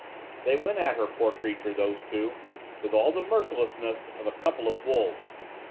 They went at her, poor creature, those two, with all the mercilessness of a couple of wolves.